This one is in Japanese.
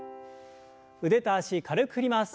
腕と脚軽く振ります。